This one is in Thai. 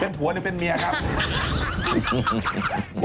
เป็นผัวหรือเป็นเมียครับ